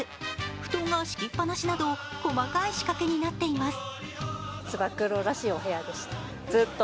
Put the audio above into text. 布団が敷きっぱなしなど細かい仕掛けになっています。